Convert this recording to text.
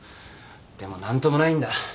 でも何ともないんだ。